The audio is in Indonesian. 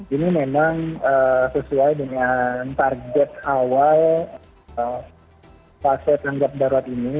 ini memang sesuai dengan target awal fase tanggap darurat ini